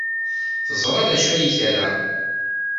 Teẓra d acu ay tra.